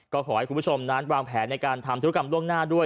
ก็ขอให้คุณผู้ชมนั้นวางแผนในการทำธุรกรรมล่วงหน้าด้วย